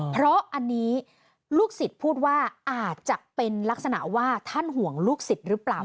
เพราะอันนี้ลูกศิษย์พูดว่าอาจจะเป็นลักษณะว่าท่านห่วงลูกศิษย์หรือเปล่า